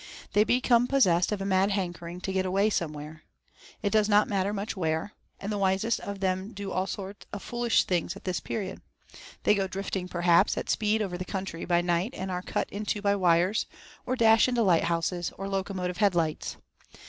They become possessed of a mad hankering to get away somewhere, it does not matter much where. And the wisest of them do all sorts of foolish things at this period. They go drifting, perhaps, at speed over the country by night and are cut in two by wires, or dash into lighthouses, or locomotive headlights.